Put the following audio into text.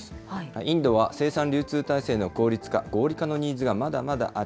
インドは生産・流通体制の効率化、合理化のニーズがまだまだある。